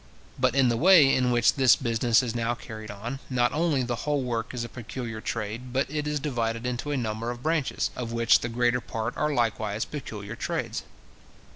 But in the way in which this business is now carried on, not only the whole work is a peculiar trade, but it is divided into a number of branches, of which the greater part are likewise peculiar trades.